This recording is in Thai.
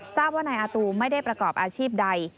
ทราบว่านายอาตูไม่ได้ประกอบอาชีพใด